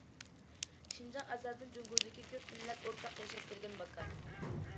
شىنجاڭ ئەزەلدىن جۇڭگودىكى كۆپ مىللەت ئورتاق ياشاپ كەلگەن ماكان.